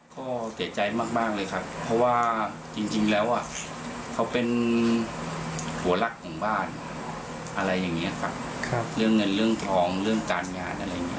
ก็เสียใจมากเลยครับเพราะว่าจริงแล้วเขาเป็นหัวรักของบ้านอะไรอย่างนี้ครับเรื่องเงินเรื่องทองเรื่องการงานอะไรอย่างนี้